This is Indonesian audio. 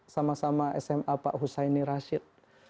sama sama sma pak hussaini rashid